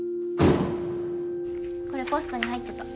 これポストに入ってた。